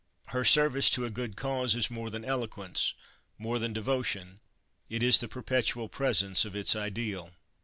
Her service to a good cause is more than eloquence, more than devotion it is the perpetual presence of its ideal.